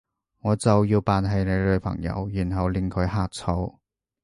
我就要扮係你女朋友，然後令佢呷醋？